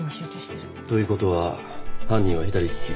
ということは犯人は左利き？